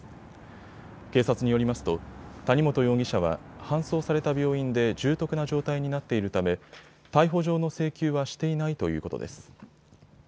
警察によりますと谷本容疑者は搬送された病院で重篤な状態になっているため逮捕状の請求はしていないということです。